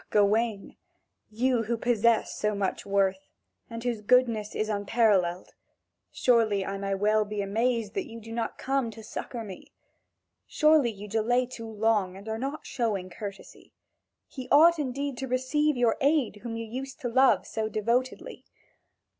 Ah, Gawain, you who possess such worth, and whose goodness is unparalleled, surely I may well be amazed that you do not come to succour me. Surely you delay too long and are not showing courtesy. He ought indeed to receive your aid whom you used to love so devotedly!